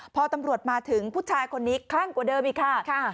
พอตำรวจมาถึงผู้ชายคนนี้คลั่งกว่าเดิมอีกค่ะ